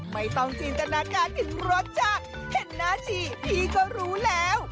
ไม่ต้องจีนแต่นาการกินรสจ๊ะเห็นนะจิพี่ก็รู้แล้ว